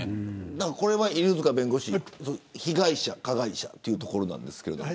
これは犬塚弁護士被害者、加害者というところですが。